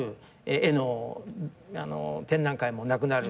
絵の展覧会もなくなる。